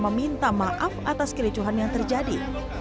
meminta maaf atas kericuhan yang terjadi